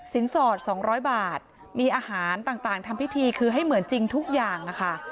สอด๒๐๐บาทมีอาหารต่างทำพิธีคือให้เหมือนจริงทุกอย่างค่ะ